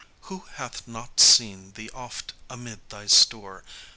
2. Who hath not seen thee oft amid thy store?